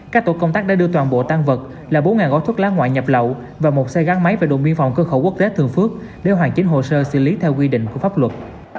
các tổ công tác đã đưa toàn bộ tan vật là bốn gói thuốc lá ngoại nhập lậu và một xe gắn máy về đồn biên phòng cơ khẩu quốc tế thường phước để hoàn chính hồ sơ xử lý theo quy định của pháp luật